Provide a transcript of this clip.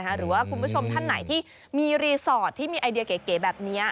หรือว่าคุณผู้ชมท่านไหนที่มีรีสอร์ทที่มีไอเดียเก๋แบบนี้